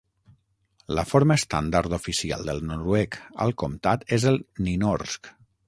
La forma estàndard oficial del noruec al comtat és el nynorsk.